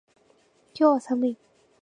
今日は寒い。